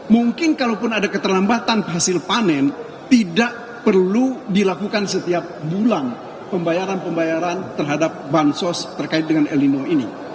mungkin kalaupun ada keterlambatan hasil panen tidak perlu dilakukan setiap bulan pembayaran pembayaran terhadap bansos terkait dengan el nino ini